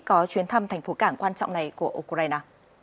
có chuyến thăm thành phố cảng quan trọng này của ukraine